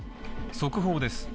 速報です。